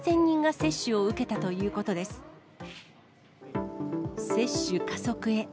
接種加速へ。